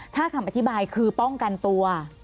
ถ้าคำอธิบายคือป้องกันตัว